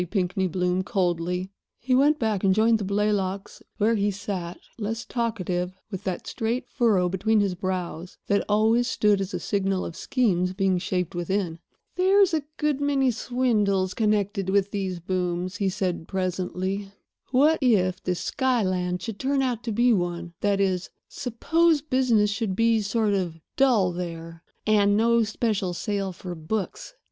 Pinkney Bloom, coldly. He went back and joined the Blaylocks, where he sat, less talkative, with that straight furrow between his brows that always stood as a signal of schemes being shaped within. "There's a good many swindles connected with these booms," he said presently. "What if this Skyland should turn out to be one—that is, suppose business should be sort of dull there, and no special sale for books?"